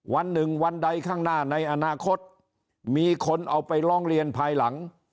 วันหนึ่งวันใดข้างหน้าในอนาคตมีคนเอาไปร้องเรียนภายหลัง